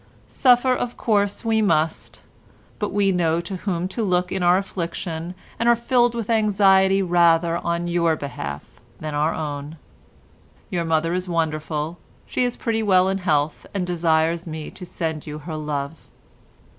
Suffer of course we must, but we know to whom to look in our affliction, and are filled with anxiety rather on your behalf than our own. Your mother is wonderful. She is pretty well in health, and desires me to send you her love.